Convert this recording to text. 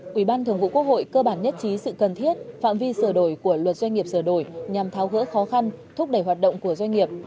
quỹ ban thường vụ quốc hội cơ bản nhất trí sự cần thiết phạm vi sửa đổi của luật doanh nghiệp sửa đổi nhằm tháo gỡ khó khăn thúc đẩy hoạt động của doanh nghiệp